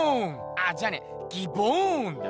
あじゃねえギボーンだ。